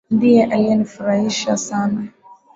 Ndiye aliyenifurahisha Sana.